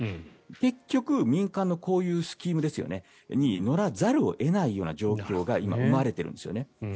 結局、民間のこういうスキームに乗らざるを得ない状況が今、生まれているんですよね。